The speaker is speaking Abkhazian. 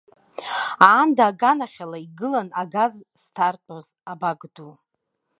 Аанда аганахьала игылан агаз зҭарҭәоз абак ду.